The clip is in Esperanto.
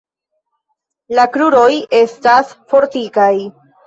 La kruroj estas fortikaj.